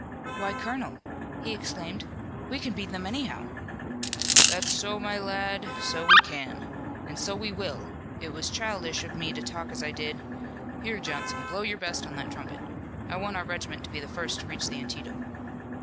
"Why, colonel!" he exclaimed, "we can beat them anyhow!" "That's so, my lad, so we can! And so we will! It was childish of me to talk as I did. Here, Johnson, blow your best on that trumpet. I want our regiment to be the first to reach the Antietam."